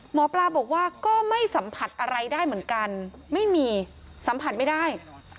หมอปลาบอกว่าก็ไม่สัมผัสอะไรได้เหมือนกันไม่มีสัมผัสไม่ได้